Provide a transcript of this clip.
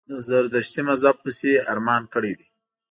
د زردشتي مذهب پسي یې ارمان کړی دی.